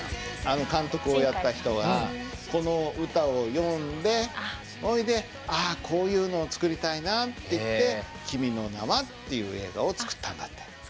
あの監督をやった人はこの歌を読んでほいであこういうのを作りたいなっていって「君の名は。」っていう映画を作ったんだって。